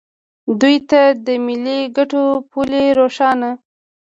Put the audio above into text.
دوی ته د ملي ګټو پولې روښانه